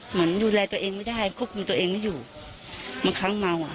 เหมือนดูแลตัวเองไม่ได้ควบคุมตัวเองไม่อยู่บางครั้งเมาอ่ะ